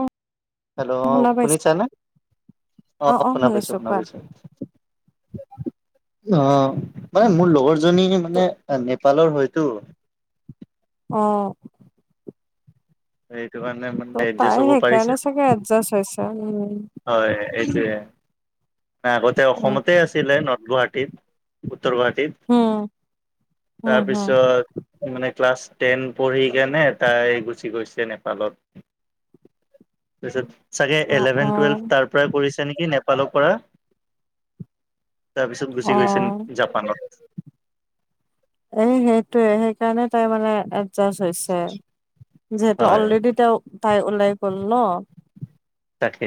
অ', hello অ, শুনা পাইছা শুনিছানে, অ, শুনা পাইছো শুনা পাইছো। অ', মানে মোৰ লগৰ জনী ত মানে, নেপালৰ হয়। [unintelligible] অ', [unintelligible] মানে ত' এডজাষ্ট তাই হ'ব পাৰিছে সেইকাৰণে চাগে এডজাষ্ট হৈছে, উম, হয় এইটোৱে আগতে উম অসমতে আছিলে নৰ্থ গুৱাহাটীত, উত্তৰ গুৱাহাটীত। উম হম হম তাৰপিছত, মানে ক্লাছ টেন পঢ়ি কেনে তাই গুচি গৈছে নেপালত, তাৰপিছত চাগে অ অ এলেভেন টুৱেল্ভ তাৰ পৰাই কৰিছে নেকি নেপালৰ পৰা? তাৰপিছত অ গুচি গৈছিল, জাপানত। এই সেইটোৱে সেইকাৰণে তাই মানে এডজাষ্ট হৈছে। যিহেতু হয় অলৰেডি তেওঁ, তাই ওলাই লগ ন'। তাকে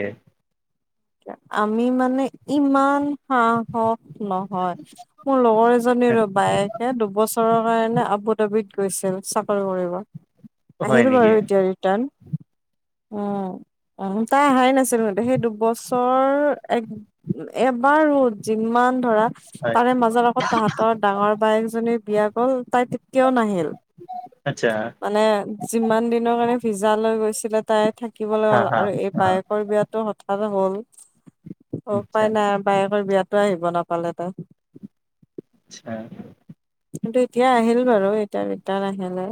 আমি মানে, ইমান সাহস নহয়, মোৰ লগৰ এজনীৰো বায়েকে দুবছৰৰ কাৰণে আবু ডাবিত গৈছিল চাকৰি কৰিব, হয় আহিল নেকি বাৰু এতিয়া ৰিটাৰ্ণ। উম, অ, তাই অহাই নাছিল মানে, সেই দুবছ [unintelligible] এক, এবাৰো যিমান ধৰা হয় তাৰে মাজত আকৌ তাহাঁতৰ ডাঙৰ বাইকজনী বিয়া গ'ল, তাই তেতিয়াও নাহিল। আচ্ছা। মানে যিমান দিনৰ কাৰণে ভিজা লৈ গৈছিলে তাই থাক হা হা [unintelligible] আৰু এইৰ হা বায়েকৰ বিয়াটো হঠাৎ হ'ল। অ', আচ্ছা উপাই নাই বায়েকৰ বিয়াতো আহিব নাপালে তাই। আচ্ছা। কিন্তু এতিয়া আহিল বাৰু, এতিয়া ৰিটাৰ্ণ আহিলে।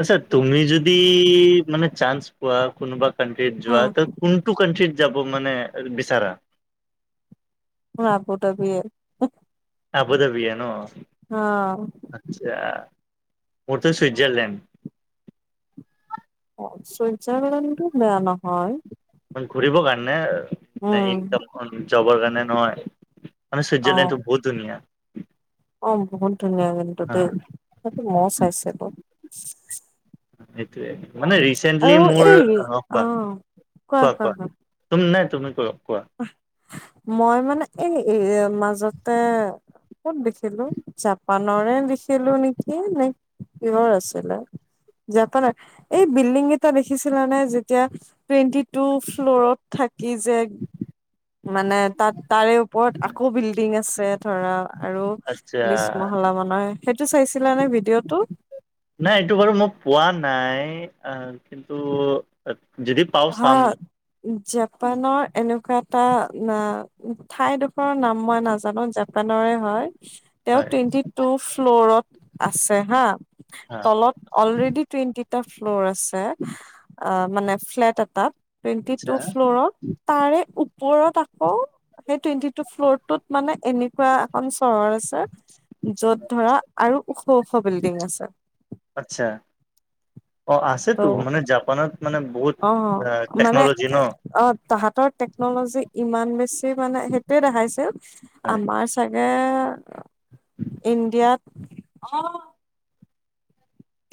আচ্ছা তুমি যদি, মানে চান্স পোৱা, কোনোবা কাট্ৰিত অ' যোৱাটো কোনটো কানট্ৰিত যাব মানে, বিচাৰা? মোৰ আবত আবিয়ে আবধআবিয়ে ন আচ্ছা মোৰটো ছুইজাৰলেণ্ড ছুইজাৰলেণ্ডটো বেয়া নহয়। মানেৰ উম, ইনকামখন জবৰ কাৰণে নহয় মানে, অ'। চুইজাৰলণ্ডটো বহুত ধুনীয়া। অ বহুত ধুনীয়া কিন্তু হা দেই সেইটো মৌও চাইছিলো। সেইটোয়ে মানে ৰিচেন্টলি আৰু মোৰ এই কোৱা অ কোৱা কোৱা তুম নে তুমি ক কোৱা? মই মানে এই মাজতে ক'ত দেখিলো জাপানৰে দেখিলো নেকি নে কিহৰ আছিলে। জাপানা এই বিল্ডিং এটা দেখিছিলা নে যেতিয়া টুৱেন্টি টু ফ্লৰত থ- থাকি যে মানে তাত তাৰে ওপৰত আকৌ বিল্ডিং আছ- ধৰা আৰু আচ্ছা বিষ্মহলা মানয় সেইটো চাইছিলা নে ভিডিঅ'টো। নাই এইটো বাৰু মই পোৱা নাই কিন্তু যদি পাও হ চাম জাপানৰ এনেকুৱা টা না ঠাইডোখৰৰ নাম মই নাজানো জাপানৰে হয়। তেওঁ হয় টুৱেণ্টি টু ফ্ল'ৰত আছে হা হা তলত অলৰেডি টুৱেণ্টি টা ফ্ল'ৰ আছে আ মানে ফ্লেট এটাত টুৱেণ্টি আচ্ছা টু ফ্ল' তাৰে ওপ- ফ্ৰৰ আকৌ সেই টুৱেণ্টি টু ফ্ল'ৰ টোত মানে এনেকুৱা এখন চহৰ আছে। য'ত ধৰা আৰু ওখ ওখ বিল্ডিং আছে। আচ্ছা অ আছেতো ত' মানে জাপানত মানে বহুত অ মানে টেকনলজি ন অ তাহাতৰ টেকনলজি ইমান বেছি মানে সেইটোয়ে দেখাইছিল হয় আমাৰ চাগে। ইণ্ডিয়াত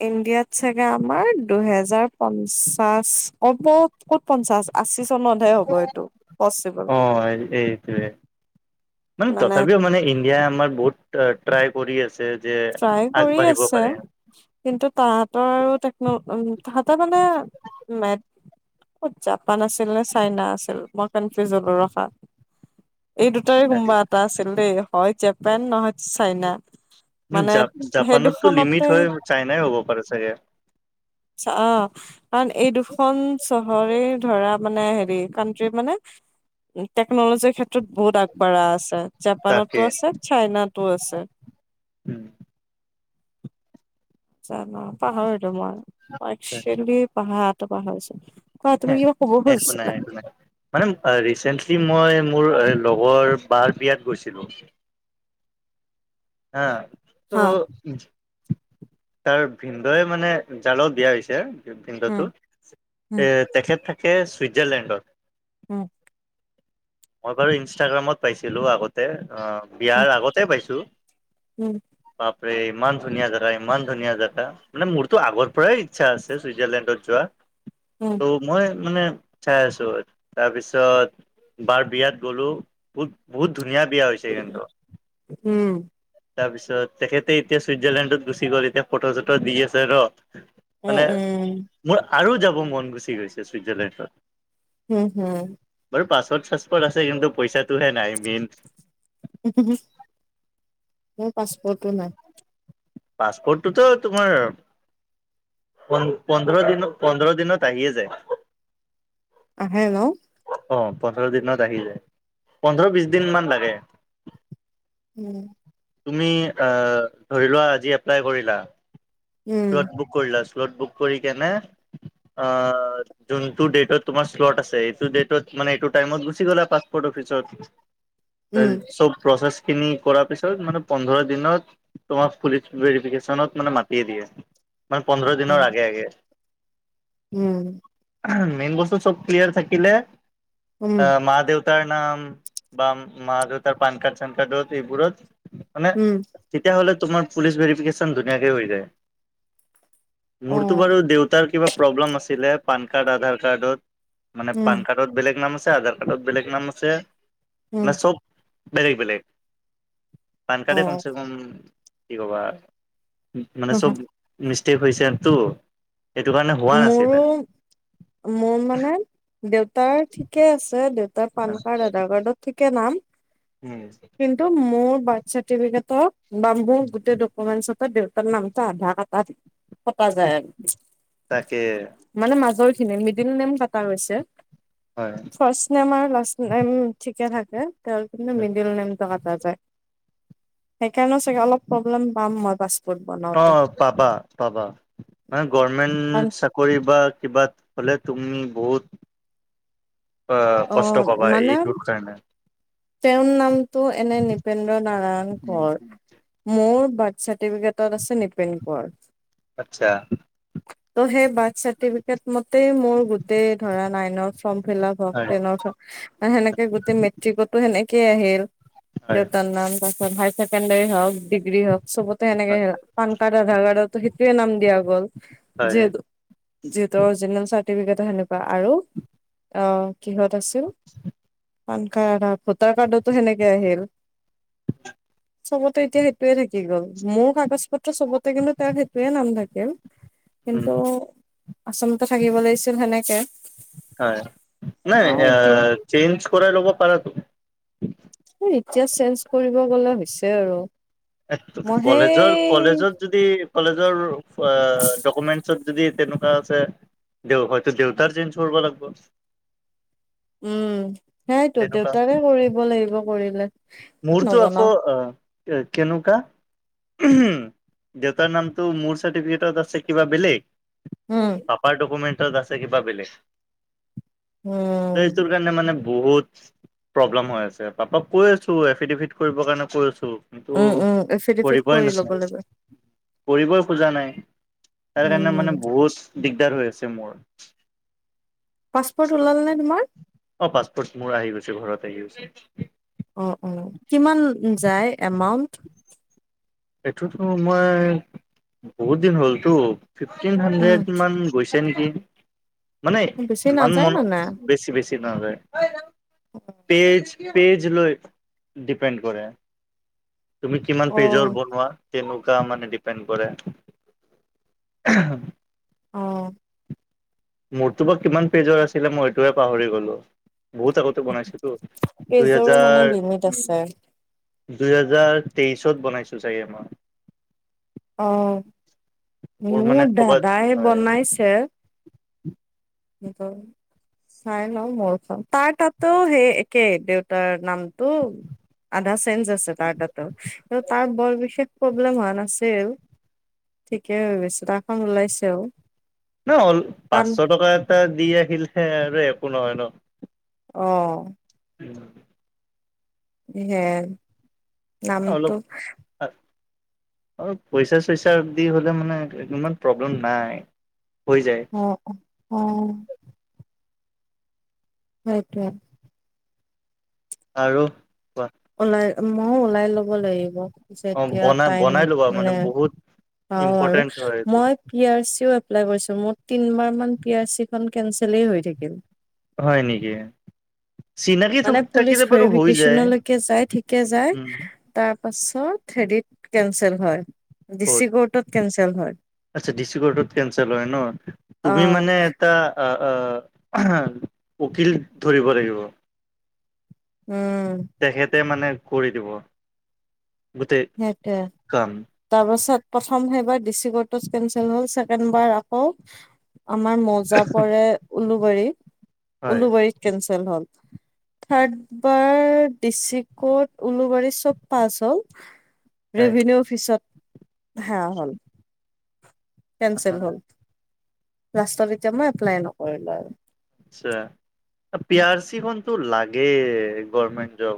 ইণ্ডিয়াত চাগে আমাৰ দুহেজাৰ পঞ্চাশ ক'ব ক'ত পঞ্চাশ আশী ত নধৰে হ'ব এইটো পচিবল। অ এইটোৱে মানে তথাপিও মানে ইণ্ডিয়াই আমাৰ বহুত ট্ৰাই কৰি আছে। যে ট্ৰাই কৰি আগবাঢ়িব আছে পাৰে কিন্তু তাহতৰ টেক ন উম তাহাঁতে মানে ম- জাপান আছিল নে চাইনা আছিল মই কন ফিউজ হলো ৰখা। এই দুটাৰে কোনবা এটা আছিল দেই হয় জাপান নহয় চাইনা। মানে সেই জাপানতটো লিমিট দুখনতে হয়, চাইনাই হ'ব পাৰে চাগে। অ কাৰণ এই দুখন চহৰে ধৰা মানে হেৰি কানট্ৰি মানে টেকনলজিৰ ক্ষেত্ৰত বহুত আগবঢ়া আছে তাকে জাপানতো আছে চাইনাত ত আছে। উম জান পাহৰিলো মই তাকে একচেউলি পাহৰাটো পাহৰিছোঁ। একো নাই একো নাই মানে ৰিচেণ্ট আজি মই মোৰ লগৰ বাৰ বিয়াত গৈছিলোঁ। হা হা ত তাৰ ভিনদেউ মানে জালত দিয়া হৈছে ভিনদেউতো উম উম এ তেখেত থাক- কে ছুইজাৰলেণ্ডত ওক মই বাৰু ইনষ্টাগ্ৰামত পাইছিলো আগতে। অ উম বিয়াৰ আগতে পাইছো। উম ইমান ধুনীয়া জেগা, ইমান ধুনীয়া জেগা মানে মোৰতো আগৰ পৰাই ইচ্ছা আছে চুইজাৰলেণ্ডত যোৱা। উম ত মই মানে চাই আছো তাৰপিছত বাৰ বিয়াত গ'লো, বহুত বহুত ধুনীয়া বিয়া হৈছে কিন্তু। হুম, তাৰপিছত, তেখেতে এতিয়া চুইটজাৰলেণ্ডত গুচি গ'ল এতিয়া ফটো চটো দি আছে আৰু। উম, উম, আৰু যাব মন গুচি গৈছে ছুইটজাৰলেণ্ডত। [unintelligible] চাছপট আছে কিন্তু পইচাটোহে নাই মেইন। মোৰ পাছপৰ্টো নাই। পাছপোৰ্টতোটো তোমাৰ পোন্ধ পোন্ধৰ দিনত পোন্ধৰ দিনত আহিয়ে যায়। আহে ন? অ', পোন্ধৰ দিনত আহি যায়, পোন্ধৰ বিশ দিন মান লাগে। উম, তুমি আহ, ধৰি লোৱা আজি এপ্লাই কৰিলা, উম বুক কৰিলা [unintelligible] বুক কৰি কেনে আহ যোনটো ডেটত তোমাৰ শ্লট আছে সেইটো ডেটত মানে এইটো টাইমত গুচি গলা পাৰ্শ্বপৰ্তত অফিচত, উম চব প্ৰচেছ খিনি কৰাৰ পিছ মানে পোন্ধৰ দিনত, তোমাক পুলিচ ভেৰিফিকেশ্যনত মানে মাটিয়ে দিয়ে। মানে পোন্ধৰ অ দিনৰ আগে আগে। উম, মেইন বস্তু চব ক্লিয়াৰ থাকিলে, উম অ মা দেউ তাৰ নাম, বা মা দেউতাৰ পান কাৰ্ড চান কাৰ্ডত এইবোৰত মানে, উম তেতিয়াহ'লে তোমাৰ পুলিচ ভেৰিফিকেশ্বন ধুনীয়াকে হৈ যায়। অ মোৰতো বাৰু দেউতাৰ কিবা প্ৰব্লেম আছিলে পান কাৰ্ড আধাৰ কাৰ্ডত। মানে পান উম কাৰ্ডত বেলেগ নাম আছে আধাৰ কাৰ্ডত বেলেগ নাম আছে, মানে উম চব বেলেগ বেলেগ, পান অ কাৰ্ডে কমছে কম, কি ক'বা। মানে চব, মিষ্টেক হৈছে আৰতো। মোৰো, মোৰ মানে, দেউ তাৰ ঠিকে আছে দেউতাৰ পান কাৰ্ড আধাৰ কাৰ্ডত ঠিকে নাম। কিন্তু মোৰ বাৰ্থ চাৰটিপিকেটত বা মোৰ গোটেই ডকুমেনছত বাট দেউতাৰ নামটো আধাৰ কাটত, কটা যায় আৰু। তাকে। মানে মাজৰ খিনি মিডিল নেম কাটা হৈছে। হয়, ফাৰ্ষ্ট নেম আৰু লাষ্ট নেম ঠিকে থাকে, তেওঁৰ কিন্তু মিডিল নেমটো কাটা যায়। সেইকাৰণে চাগে অলপ প্ৰব্লেম পাম মই পাছত অ', পাবা পাবা, মানে কাৰণ গৰৰ্মেণ্ট চাকৰি বা কিবা হলে তুমি বহুত, আ কষ্ট অ পাবা মানে এইটোৰ কাৰণে। তেওঁৰ নামটো এনে নিপেন্দ্ৰ নাৰায়ণ কোঁৱৰ, মোৰ বাৰ্থ চাৰ্টিফিকেটত আছে নিপেন কোঁৱৰ। [unintelligible] ত' সেই বাৰ্থ চাৰ্টিফিকেট মতে মোৰ গোটেই ধৰা নাইনৰ ফ্ৰম ফিলাপ হল। হয় টেনৰ ফৰ্ম, ত' সেনেকে গোটেই মেট্ৰিকতো সেনেকে আহিল, হয় দেউতাৰ নাম বা [unintelligible] হাই ছেকেডেৰী হওক। ডিগ্ৰী হওক চবতে হয়। সেনেকে, পান কাৰ্ড, আধাৰ কাৰ্ডো সেইটোয়ে নাম দিয়া গ'ল, হয় যিহেতু যিহেতু অৰ্জিনেল চা চাৰ্টিফিকেটও সেনেকুৱা আৰু, অ, কিহত আছিল, পান কাৰ্ডত ভোটাৰ কাৰ্ডতো সেনেকে আহিল, চবতে এতিয়া সেইটোয়ে থাকিল। কি গল, মোৰ কাগজ পত্ৰ চবতে কিন্তু তেওঁৰ সেইটোয়ে নাম থাকিল। উম কিন্তু, আচলতে থাকিব লাগিছিল সেনেকে। হয়, নাই চাও এতিয়া আহ চেঞ্জ কৰাই ল'ব পাৰা তো। এতিয়া চেঞ্জ কৰিব গলে হৈছে আৰু এক মই কলেজৰ সেই কলেজত যদি কলেজৰ ডকুমেন্টচত যদি তেনেকুৱা আছে দেউ হয়তো দেউতাৰ চেঞ্চ কৰিব লাগিব উম, সেইয়াইতো তেনেকুৱা দেউতাৰে কৰিব লাগিব কৰিলে মোৰতো আকৌ নবনাও অ, কেনেকুৱা উম হম দেউতাৰ নামটো মোৰ চাৰটিফিকেটত আছে কিবা বেলেগ উম পাপাৰ ডকুমেণ্টত আছে কিবা বেলেগ ত উম। এইটোৰ কাৰণে মানে বহুত প্ৰব্লেম হৈ আছে, পাপাক কৈ আছো এফিডেভিট কৰিবৰ কাৰণে কৈ আছো কিন্তু উম উম এফিডেফিট কৰিবই কৰি ল'ব নাছাই লাগে কৰিবই খোজা নাই তাৰ কাৰণে মানে উম বহুত দিগদাৰ হৈ আছে মোৰ পাছপৰ্ট ওলালেনে তোম অ পাছপোৰ্ট মোৰ আহি গৈছে ঘৰত আহি গৈছে অ, অ, কিমান যায় এমাউন্ট এইটোতো মই বহুত দিন হ'লতো ফিফটিন হাড্ৰেড উম মান গৈছ চে নিদিয়ে মানে বেছি ইমান নাযায় মন মানে বেছি বেছি নহ যায় পেজ, পেজ লৈ ডিপেণ্ড কৰে তুমি কিমান অ পেজৰ ব তেনেকুৱা মানে ডিপেণ্ড কৰে, অহ। অ। মোৰতো বা কিমান পেজৰ আছিলে মই সেইতোৱে পাহৰি গলো বহুত আগতে বনাইছিলোতো দুই কেইযোৰ মানে হেজাৰ লিমিট উম আছে দুহেজাৰ তেইশত বনাইছো চাগে মই। অ মানে মোৰ ক'বাত দাদাই হয়। বনাইছে [unintelligible] চাই লওঁ মোৰখন, তাৰ তাতো সেই একেই দেউতাৰ নাম উম, আদাৰ চেন্স আছে তাৰ তাতেও কিন্তু তাৰ বৰ বিশষটো প্ৰব্লেম হোৱা নাছিল, ঠিকেই বিছনাখন ওলাইছে আৰু। দিলে হল পাঁচশ টকা এটা দি আহিলে আৰু একো নহয় ন অ। উ [unintelligible] হে, নামটো অ পইচা- চইচা দি হ'লে মানে ইমান প্ৰব্লেম নাই হৈ যায় অ, উম। সেইতোৱে আৰু ওলাই মইও ওলাই ল'ব লাগিব অ যেতিয়া বনাই টাইম বনাই ল'বা মানে বহুত পাওঁ আৰু ইম্পৰ্টেন্ট হয় এইটো মই পি আৰ চিও এপ্লাই কৰিছোঁ, মোৰ তিনিবাৰমান পি আৰ চিখন কেনচেলেই হই থাকিল হয় নেকি? চিনাকি মানে পুলিচ থাকিলে বাৰু হৈ যায় ভেৰিফিকেচন লৈকে যাই, ঠিকেই যায় উম তাৰ পাছ চব হেৰিট কেনচেল হয় ডি চি কৰ্টত কেনচেল হয় আট্চা ডিচি ক'ৰ্টট কেনচেল হয় ন তুমি অ', মানে এটা আ আ আহ উকিল ধৰিব লাগিব উম, তেখেতে মানে কৰি দিব গোটেই সেইটোৱে কাম তাৰ পাছত প্ৰথম সেইবাৰ ডিচি ক'ৰ্টত কেনচেল হল ছেকেণ্ড বাৰ আকৌ আমাৰ মৌজা পৰে উলুবাৰীত হয় উলুবাৰীত কেনচেল হ'ল [inaudible] থাৰ্ডবাৰ ডি চি কৰ্ট উলুবাৰীত চব পাছ হ'ল হয় ৰেভিনিউ অফিচত, হা হ'ল কেনচেল হল, লাষ্টত এতিয়া মই এপ্লাই নওঁ। আচ্ছা [unintelligible] পি আৰ চি খনটো লাগে গৰমেণ্ট জব